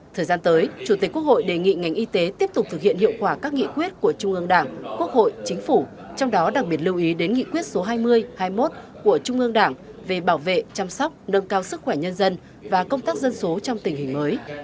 thời gian tới chủ tịch quốc hội đề nghị ngành y tế tiếp tục thực hiện hiệu quả các nghị quyết của trung ương đảng quốc hội chính phủ trong đó đặc biệt lưu ý đến nghị quyết số hai mươi hai mươi một của trung ương đảng về bảo vệ chăm sóc nâng cao sức khỏe nhân dân và công tác dân số trong tình hình mới